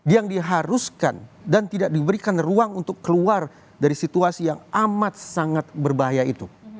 yang diharuskan dan tidak diberikan ruang untuk keluar dari situasi yang amat sangat berbahaya itu